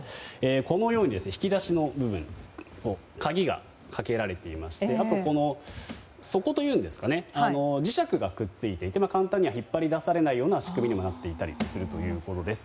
このように引き出しの部分鍵がかけられていましてあと、底というんですかね磁石がくっついていて簡単には引っ張り出されないような仕組みになっているということです。